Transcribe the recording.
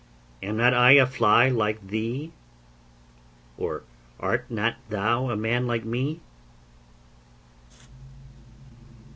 Am not I A fly like thee? Or art not thou A man like me?